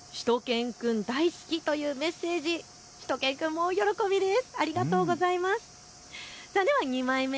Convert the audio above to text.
そしてしゅと犬くん大好きというメッセージ、しゅと犬くんも大喜びです。